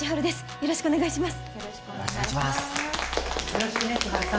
よろしくお願いします。